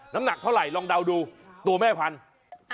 น้ำหนักเท่าไหร่ลองเดาดูตัวแม่พันธุ์